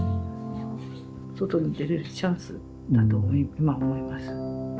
外に出れるチャンスだと今は思います。